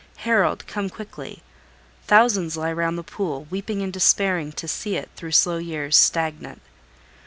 Herald, come quickly! Thousands lie round the pool, weeping and despairing, to see it, through slow years, stagnant.